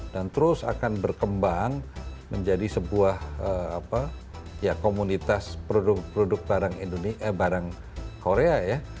dan terus akan berkembang menjadi sebuah komunitas produk barang korea